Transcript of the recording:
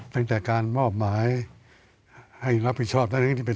ตั้งแต่การมอบหมายให้รับผิดชอบ